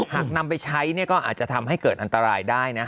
หากนำไปใช้ก็อาจจะทำให้เกิดอันตรายได้นะ